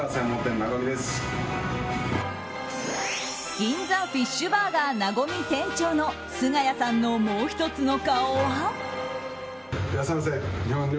銀座フィッシュバーガーＮａｇｏｍｉ店長の菅谷さんのもう１つの顔は。